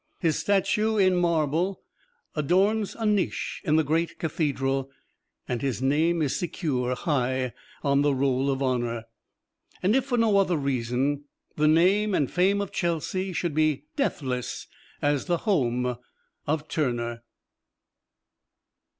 His statue, in marble, adorns a niche in the great cathedral, and his name is secure high on the roll of honor. And if for no other reason, the name and fame of Chelsea should be deathless as the home of Turner.